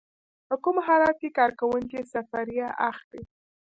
په کوم حالت کې کارکوونکی سفریه اخلي؟